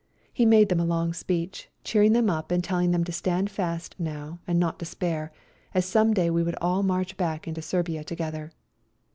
He made them a long speech, cheering them up and teUing them to stand fast now and not despair, as some day we would all march back into Serbia together.